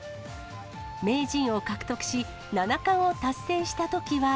名人を獲得し、七冠を達成したときは。